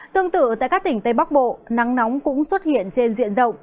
tương tự tại các tỉnh tây bắc bộ nắng nóng cũng xuất hiện trên diện rộng